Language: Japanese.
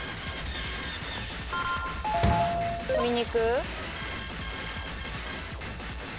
鶏肉。